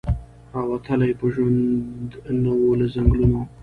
را وتلی په ژوند نه وو له ځنګلونو